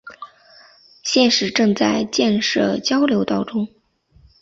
现时正在建设交流道中。